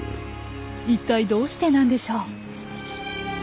いったいどうしてなんでしょう？